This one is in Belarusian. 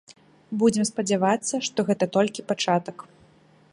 Будзем спадзявацца, што гэта толькі пачатак.